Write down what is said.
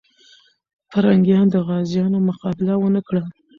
پرنګیان د غازيانو مقابله ونه کړه.